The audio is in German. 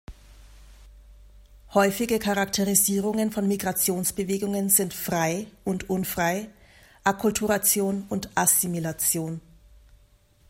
Häufige Charakterisierungen von Migrationsbewegungen sind „frei“ und „unfrei“, „Akkulturation“ und „Assimilation“.